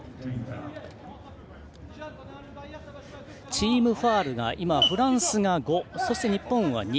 チームファウル、フランスが５日本は２。